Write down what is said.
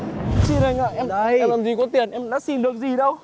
xin anh ạ em làm gì có tiền em đã xin được gì đâu